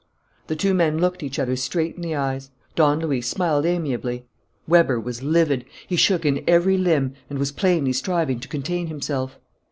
The two men looked each other straight in the eyes. Don Luis smiled amiably. Weber was livid; he shook in every limb and was plainly striving to contain himself.